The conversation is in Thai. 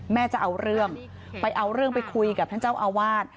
จะเอาเรื่องไปเอาเรื่องไปคุยกับท่านเจ้าอาวาส